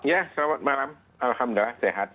ya selamat malam alhamdulillah sehat